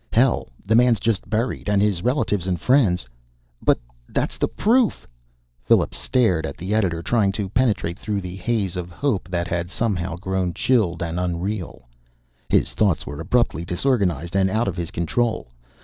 Hell, the man's just buried, and his relatives and friends " "But that's the proof!" Phillips stared at the editor, trying to penetrate through the haze of hope that had somehow grown chilled and unreal. His thoughts were abruptly disorganized and out of his control.